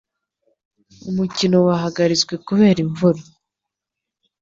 Umukino wahagaritswe kubera imvura.